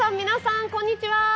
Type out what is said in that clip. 皆さんこんにちは。